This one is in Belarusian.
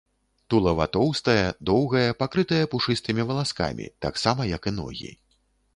Тулава тоўстае, доўгае, пакрытае пушыстымі валаскамі, таксама як і ногі.